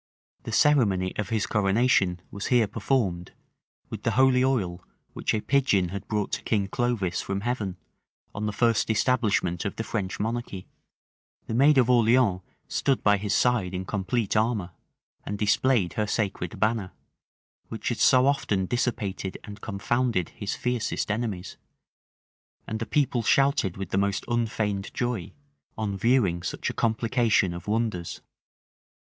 The ceremony of his coronation was here performed[*] with the holy oil, which a pigeon had brought to King Clovis from heaven, on the first establishment of the French monarchy: the maid of Orleans stood by his side in complete armor, and displayed her sacred banner, which had so often dissipated and confounded his fiercest enemies: and the people shouted with the most unfeigned joy, on viewing such a complication of wonders.